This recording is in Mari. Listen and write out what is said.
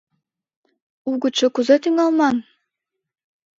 Угычшо кузе тӱҥалман?